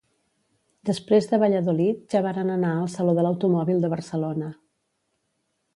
Després de Valladolid ja varen anar al Saló de l'Automòbil de Barcelona.